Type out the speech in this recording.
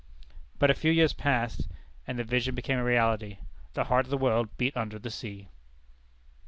But a few years passed, and the vision became a reality. The heart of the world beat under the sea.